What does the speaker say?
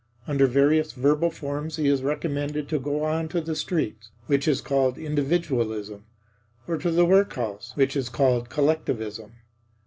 Under various verbal forms he is recommended to go on to the streets which is called Individualism; or to the work house which is called Collectivism.